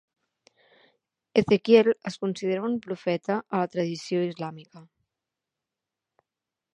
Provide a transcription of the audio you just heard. Ezequiel es considera un profeta a la tradició islàmica.